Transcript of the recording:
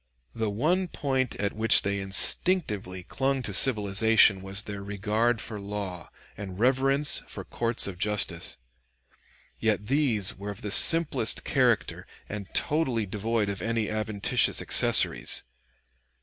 ] The one point at which they instinctively clung to civilization was their regard for law and reverence for courts of justice. Yet these were of the simplest character and totally devoid of any adventitious accessories.